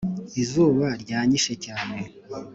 Izuba ryanyishe cyane